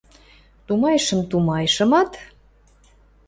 Тумайышым-тумайышымат: